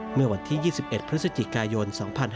เมื่อวันที่๒๑พฤศจิกายน๒๕๕๙